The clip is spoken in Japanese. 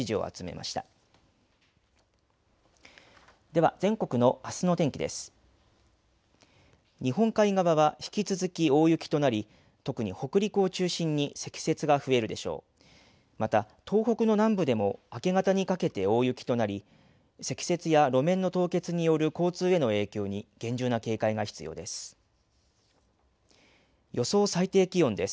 また、東北の南部でも明け方にかけて大雪となり積雪や路面の凍結による交通の影響に厳重な警戒が必要です。